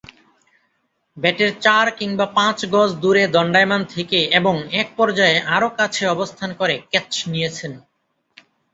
ব্যাটের চার কিংবা পাঁচ গজ দূরে দণ্ডায়মান থেকে এবং এক পর্যায়ে আরও কাছে অবস্থান করে ক্যাচ নিয়েছেন।